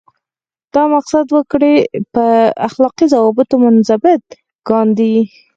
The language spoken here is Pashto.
دا مقصد وګړي په اخلاقي ضوابطو منضبط کاندي.